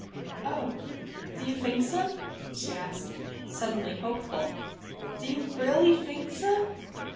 "Oh, do you think so?" she asked, suddenly hopeful. "Do you really think so?"